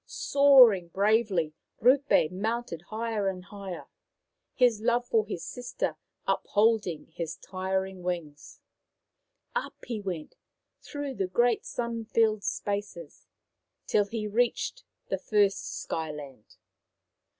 Soaring bravely, Rupe mounted higher and higher, his love for his sister upholding his tiring wings. Up he went, through the great sun filled spaces, till he reached the first Sky land.